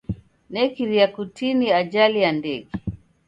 Nekiria kutini ajali ya ndege.